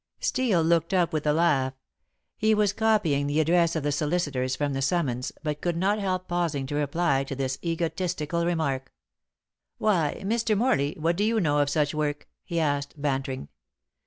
Steel looked up with a laugh. He was copying the address of the solicitors from the summons, but could not help pausing to reply to this egotistical remark. "Why, Mr. Morley, what do you know of such work?" he asked, bantering.